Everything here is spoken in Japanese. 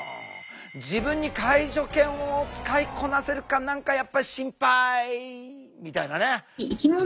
自分に介助犬を使いこなせるか何かやっぱりしんぱいみたいなね。